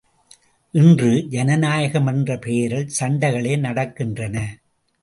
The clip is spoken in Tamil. இன்று ஜனநாயகம் என்ற பெயரில் சண்டைகளே நடக்கின்றன.